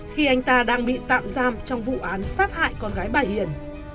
khi anh ta đang bị tạm giam trong vụ án sát hại con gái bà hiền